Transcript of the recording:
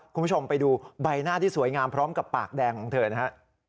คุณผู้ชมไปดูใบหน้าที่สวยงามพร้อมกับปากแดงของเธอนะฮะ